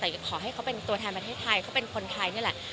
แต่ขอให้เขาเป็นตัวแทนประเทศไทยเขาเป็นคนไทยนี่แหละ